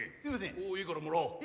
おういいからもらおう。